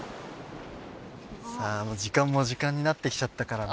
さあもう時間も時間になってきちゃったからね。